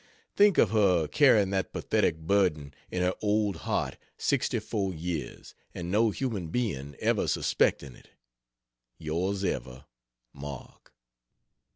Think of her carrying that pathetic burden in her old heart sixty four years, and no human being ever suspecting it! Yrs ever, MARK.